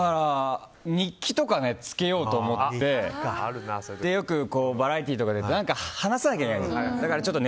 日記とかつけようと思ってよくバラエティーとかで何か話さなきゃいけないと。